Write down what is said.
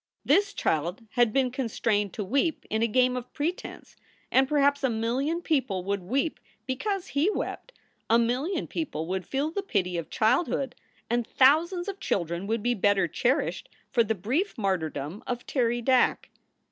This child had been constrained to weep in a game of pretense and perhaps a million people would w r eep because he wept, a million people would feel the pity of childhood, and thousands of children would be better cherished for the brief martyrdom of Terry Dack.